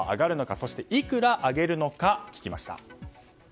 そしていくら上げるのか聞きました。